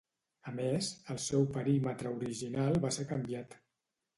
A més, el seu perímetre original va ser canviat.